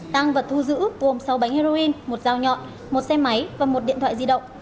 tăng vật thu giữ gồm sáu bánh heroin một dao nhọn một xe máy và một điện thoại di động